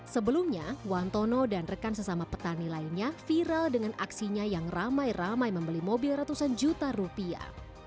sebelumnya wantono dan rekan sesama petani lainnya viral dengan aksinya yang ramai ramai membeli mobil ratusan juta rupiah